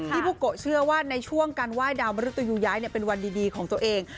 พี่บุโกะเชื่อว่าในช่วงการไหว้ดาวมรุตยูย้ายเป็นวันดีของตัวเอง